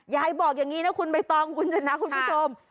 ยายบอกอย่างนี้นะคุณใบตองคุณชนะคุณผู้ชม